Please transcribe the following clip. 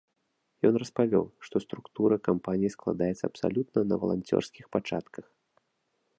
Ён распавёў, што структура кампаніі складаецца абсалютна на валанцёрскіх пачатках.